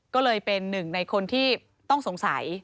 ก็เลยเป็นหนึ่งในคนที่ต้องสงสัย